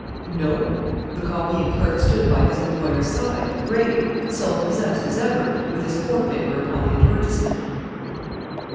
No; the copying clerk stood by his employer's side, grave, self possessed as ever, with his forefinger upon the advertisement.